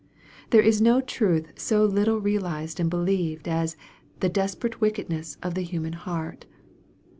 There is no truth so little realized and believed as the " desperate wickedness" of the human heart.